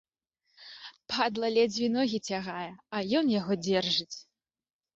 Падла ледзьве ногі цягае, а ён яго дзяржыць.